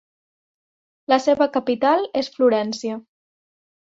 La seva capital és Florència.